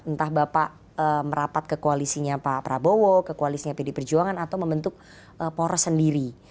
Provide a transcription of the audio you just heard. entah bapak merapat ke koalisinya pak prabowo ke koalisnya pd perjuangan atau membentuk poros sendiri